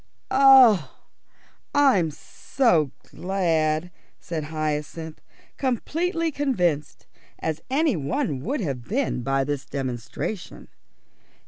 "Oh, I'm so glad," said Hyacinth, completely convinced, as any one would have been, by this demonstration.